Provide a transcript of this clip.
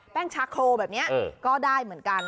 ชาโครแบบนี้ก็ได้เหมือนกัน